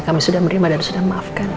kami sudah menerima dan sudah maafkan